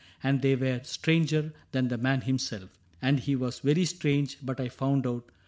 And they were stranger than the man himself — And he was very strange ; but I found out.